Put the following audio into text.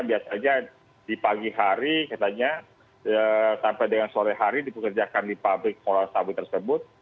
tidak hanya di pagi hari katanya sampai dengan sore hari diperkerjakan di pabrik kolam sawit tersebut